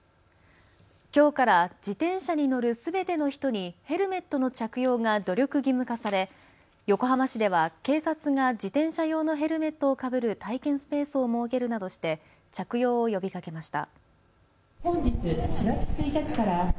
きょうから自転車に乗るすべての人にヘルメットの着用が努力義務化され横浜市では警察が自転車用のヘルメットをかぶる体験スペースを設けるなどして着用を呼びかけました。